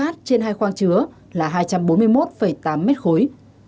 trên hai khoang chứa là hai trăm bốn mươi một tám mét khối